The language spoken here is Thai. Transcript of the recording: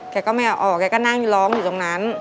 แกก็ไม่เอาออกแกก็นั่งร้องอยู่ตรงนั้น